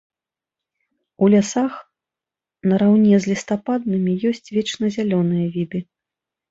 У лясах нараўне з лістападнымі ёсць вечназялёныя віды.